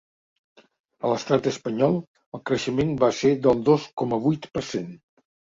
A l’estat espanyol, el creixement va ser del dos coma vuit per cent.